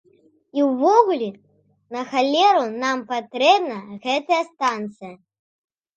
І ўвогуле, на халеру нам патрэбна гэтая станцыя?